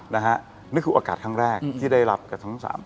นะฮะนี่คือโอกาสครั้งแรกที่ได้รับกับช่องสาม